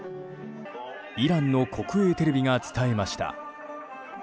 イランの国営テレビが伝えました。